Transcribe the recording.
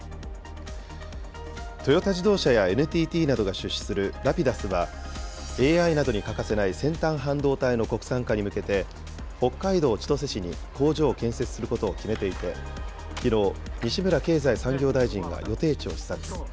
トヨタ自動車やＮＴＴなどが出資するＲａｐｉｄｕｓは、ＡＩなどに欠かせない先端半導体の国産化に向けて、北海道千歳市に工場を建設することを決めていて、きのう、西村経済産業大臣が予定地を視察。